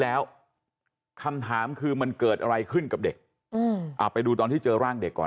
แล้วคำถามคือมันเกิดอะไรขึ้นกับเด็กไปดูตอนที่เจอร่างเด็กก่อน